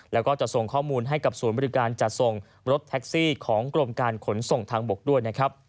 แล้วก็จะส่งข้อมูลให้กับศูนย์บริการจัดส่งรถแท็กซี่ของกรมการขนส่งทางบกด้วยนะครับ